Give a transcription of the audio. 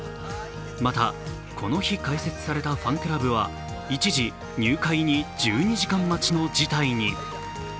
またこの日開設されたファンクラブは一時、入会に１２時間待ちの事態に。